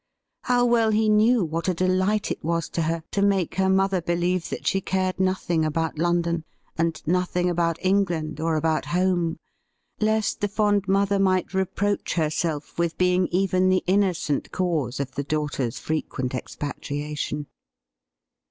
How well he knew what a delight it was to her to make her mother believe that she cared nothing about London, and nothing about England or about home, lest the fond mother might reproach herself with being even the innocent cause of the daughter's frequent expatriation